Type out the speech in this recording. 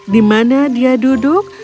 dimana dia akan menemukan air gelap yang dingin